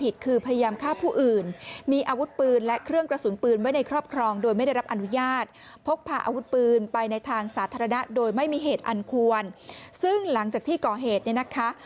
โดยไม่มีเหตุอันควรซึ่งหลังจากที่ก่อเหตุเนี่ยนะคะ